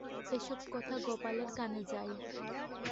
এসব কথা গোপালের কানে যায়।